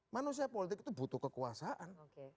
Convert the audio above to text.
manusia politik itu butuh kekuasaan